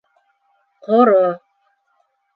Ҡоро